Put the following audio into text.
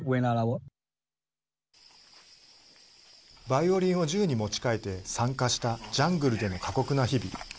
バイオリンを銃に持ち替えて参加したジャングルでの過酷な日々。